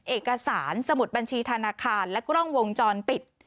เอกสารสมุดบัญชีธนาคารและกล้องวงจรปิด